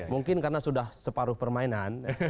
mungkin karena sudah separuh permainan